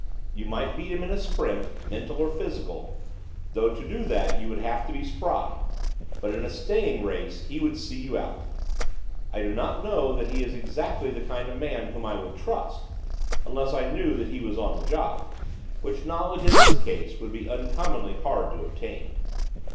You might beat him in a sprint, mental or physical though to do that you would have to be spry! but in a staying race he would see you out. I do not know that he is exactly the kind of man whom I would trust, unless I knew that he was on the job, which knowledge, in his case, would be uncommonly hard to attain.